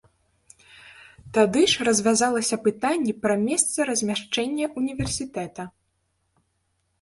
Тады ж развязвалася пытанне пра месца размяшчэння ўніверсітэта.